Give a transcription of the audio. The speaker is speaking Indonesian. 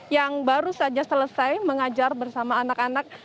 yang baru saja selesai mengajar bersama anak anak